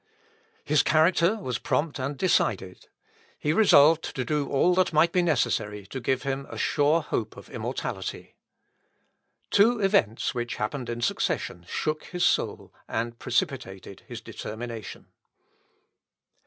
His character was prompt and decided; he resolved to do all that might be necessary to give him a sure hope of immortality. Two events, which happened in succession, shook his soul, and precipitated his determination.